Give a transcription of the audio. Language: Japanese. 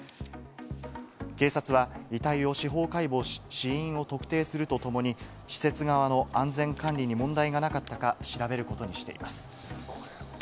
警察は遺体を司法解剖し、死因を特定するとともに、施設側の安全管理に問題がなかったか調べることにしています。